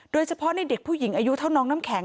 โดยเฉพาะในเด็กผู้หญิงอายุเท่าน้องน้ำแข็ง